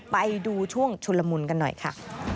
ไปดูช่วงชุนละมุนกันหน่อยค่ะ